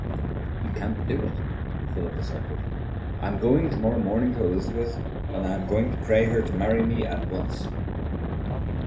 "You can't do it," Philip asserted. "I am going to morrow morning to Elizabeth, and I am going to pray her to marry me at once."